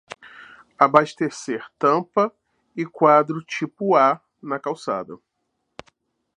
Abastecer tampa e quadro tipo A na calçada.